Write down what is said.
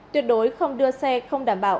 tuyệt đối không đưa xe không đảm bảo